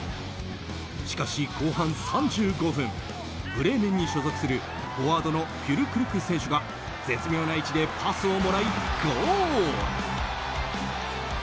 しかし、後半３５分ブレーメンに所属するフォワードのフュルクルク選手が絶妙な位置でパスをもらいゴール！